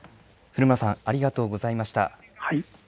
古村さん、ありがとうございました。